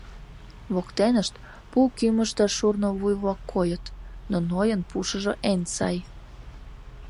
Воктенышт пу кӱмыж да шурно вуй-влак койыт, но Нойын пушыжо эн сай.